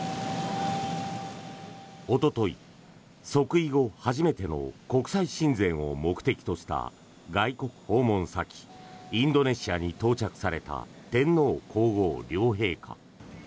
おととい、即位後初めての国際親善を目的とした外国訪問先、インドネシアに到着された天皇・皇后両陛下。